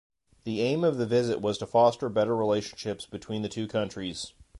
The aim of the visit was to foster better relationships between the two countries.